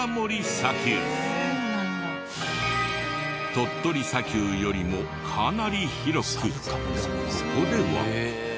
鳥取砂丘よりもかなり広くここでは。